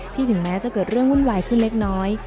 ถึงแม้จะเกิดเรื่องวุ่นวายขึ้นเล็กน้อย